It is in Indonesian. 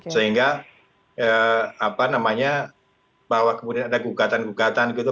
sehingga apa namanya bahwa kemudian ada gugatan gugatan gitu